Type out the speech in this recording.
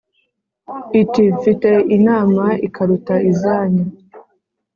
iti : mfite inama ikaruta izanyu